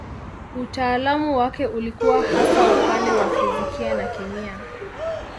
Utaalamu wake ulikuwa hasa upande wa fizikia na kemia.